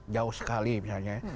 jauh sekali misalnya